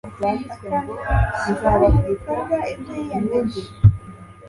akanashyira mu bikorwa ibyo yiyemeje